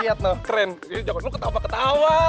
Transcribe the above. liat noh keren jangan lu ketawa ketawa